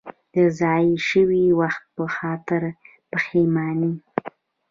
د ضایع شوي وخت په خاطر پښېماني.